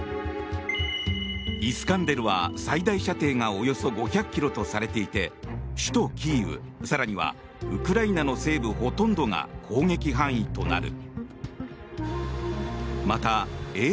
イスカンデルは最大射程がおよそ５００ｋｍとされていて首都キーウ更にはウクライナの西部ほとんどが攻撃範囲となる。